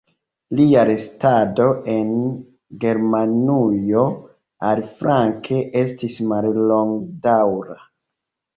Lia restado en Germanujo, aliflanke, estis mallongdaŭra.